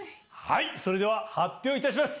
それでは発表いたします！